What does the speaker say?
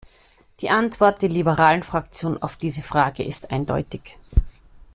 Die Antwort der liberalen Fraktion auf diese Frage ist eindeutig.